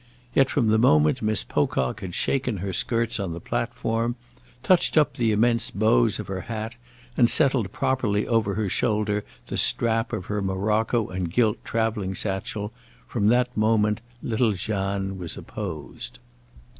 —yet from the moment Miss Pocock had shaken her skirts on the platform, touched up the immense bows of her hat and settled properly over her shoulder the strap of her morocco and gilt travelling satchel, from that moment little Jeanne was opposed.